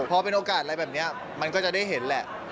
พอเป็นโอกาสอะไรแบบนี้มันก็จะได้เห็นแหละ